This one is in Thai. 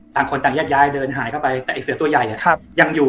ต่างคนต่างแยกย้ายเดินหายเข้าไปแต่ไอเสือตัวใหญ่ยังอยู่